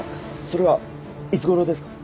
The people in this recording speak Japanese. それはいつ頃ですか？